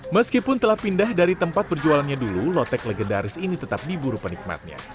meskipun telah pindah dari tempat berjualannya dulu lotek legendaris ini tetap diburu penikmatnya